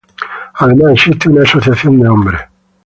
Además, existe una Asociación de Hombres.